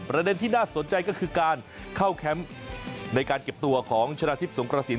ที่น่าสนใจก็คือการเข้าแคมป์ในการเก็บตัวของชนะทิพย์สงกระสิน